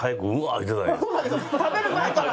食べる前から。